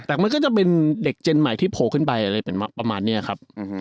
แต่มันก็จะเป็นเด็กเจนใหม่ที่โผล่ขึ้นไปอะไรประมาณนี้ครับ